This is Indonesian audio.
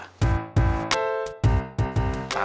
kamu boleh deket lagi dengan reva